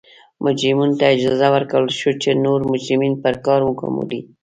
مجرمینو ته اجازه ورکړل شوه چې نور مجرمین پر کار وګوماري.